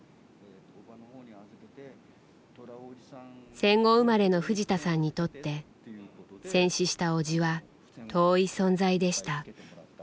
戦後生まれの藤田さんにとって戦死した伯父は遠い存在でした。